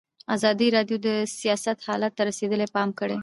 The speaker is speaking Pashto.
ازادي راډیو د سیاست حالت ته رسېدلي پام کړی.